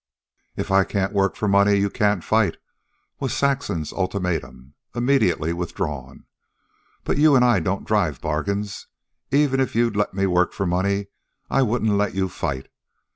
"If I can't work for money, you can't fight," was Saxon's ultimatum, immediately withdrawn. "But you and I don't drive bargains. Even if you'd let me work for money, I wouldn't let you fight.